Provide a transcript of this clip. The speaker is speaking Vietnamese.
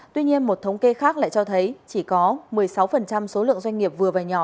tuy nhiên một thống kê khác lại cho thấy chỉ có một mươi sáu số lượng doanh nghiệp vừa và nhỏ